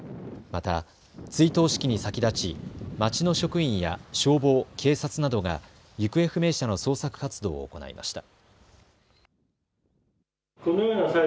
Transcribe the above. また、追悼式に先立ち町の職員や消防、警察などが行方不明者の捜索活動を行いました。